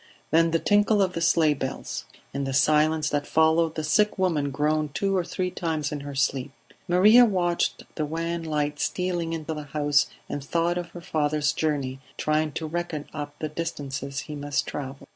Then the tinkle of the sleigh bells. In the silence that followed, the sick woman groaned two or three times in her sleep; Maria watched the wan light stealing into the house and thought of her father's journey, trying to reckon up the distances he must travel.